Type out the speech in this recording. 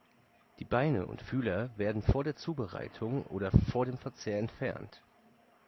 Die Beine und Fühler werden vor der Zubereitung oder vor dem Verzehr entfernt.